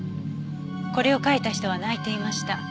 これを書いた人は泣いていました。